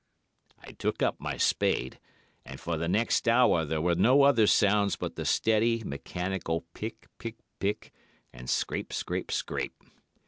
"I took up my spade, and for the next hour there were no other sounds but the steady, mechanical pick, pick, pick, and scrape, scrape, scrape.